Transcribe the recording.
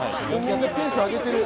ペースを上げてる。